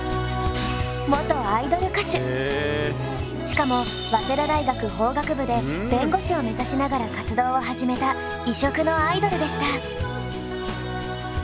しかも早稲田大学法学部で弁護士を目指しながら活動を始めた異色のアイドルでした。